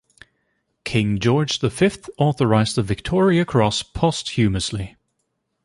King George the Fifth authorized the Victoria Cross posthumously.